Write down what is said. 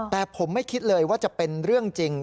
แต่ผมไม่คิดเลยว่าจะเป็นเรื่องจริง